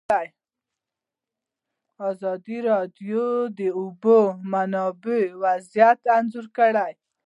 ازادي راډیو د د اوبو منابع وضعیت انځور کړی.